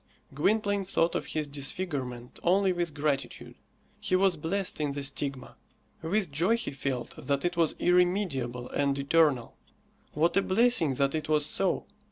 Gwynplaine thought of his disfigurement only with gratitude. He was blessed in the stigma. With joy he felt that it was irremediable and eternal. What a blessing that it was so!